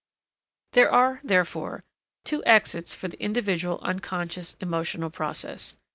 There are, therefore, two exits for the individual unconscious emotional process.